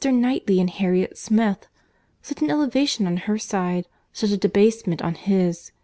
Knightley and Harriet Smith!—Such an elevation on her side! Such a debasement on his!